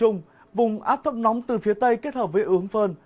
từ miền trung vùng áp thấp nóng từ phía tây kết hợp với ướng phơn